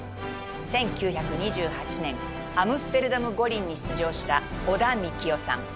１９２８年アムステルダム五輪に出場した織田幹雄さん。